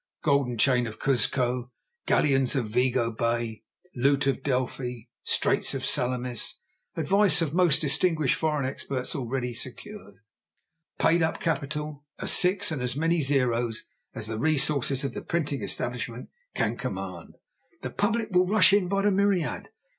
Golden chain of Cuzco. Galleons of Vigo Bay. Loot of Delphi. Straits of Salamis. Advice of most distinguished foreign experts already secured. Paid up capital, a 6 and as many 0's as the resources of the printing establishment can command. The public will rush in by the myriad.